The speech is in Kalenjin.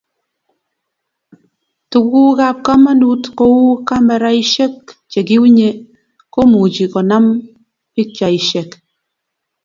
Tukuk ab kamanut kou kameraishek chekiunye komuchi konam pikchaishek